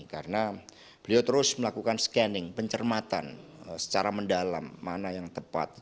karena beliau terus melakukan scanning pencermatan secara mendalam mana yang tepat